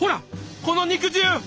この肉汁！